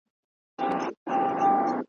ورته راغلل غوري ګان د پولاوونو ,